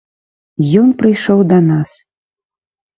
Ён прыйшоў да нас.